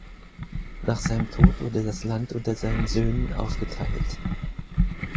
Nach seinem Tod wurde das Land unter seinen Söhnen aufgeteilt.